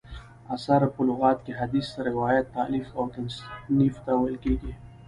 اثر: په لغت کښي حدیث، روایت، تالیف او تصنیف ته ویل کیږي.